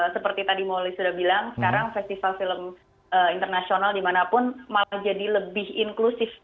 seperti tadi mauli sudah bilang sekarang festival film internasional dimanapun malah jadi lebih inklusif